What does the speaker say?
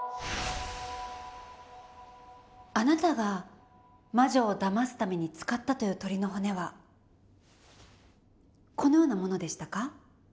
あなたが魔女をだますために使ったという鶏の骨はこのようなものでしたか？